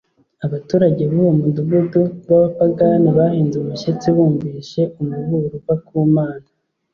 Abaturage b'uwo mudugudu b'abapagane bahinze umushyitsi bumvise umuburo uva ku Mana.